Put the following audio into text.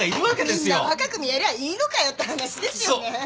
みんな若く見えりゃいいのかよって話ですよね。